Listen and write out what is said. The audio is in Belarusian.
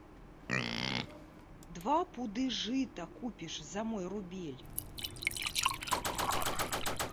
Два пуды жыта купіш за мой рубель.